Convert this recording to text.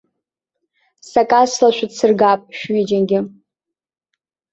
Сакасала шәыдсыргап шәҩыџьагьы!